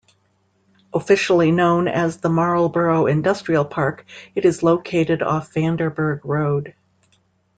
Officially known as the Marlboro Industrial Park, it is located off Vanderburg Road.